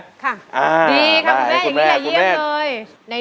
ค่ะดีค่ะคุณแม่อย่าเยี่ยมเลย